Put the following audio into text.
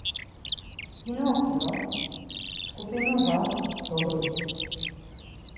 Pinokyo mtzǩupinobas dolodzit̆u.